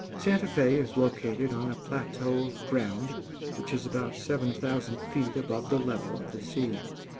Santa Fé is located on a plateau of ground which is about seven thousand feet above the level of the sea.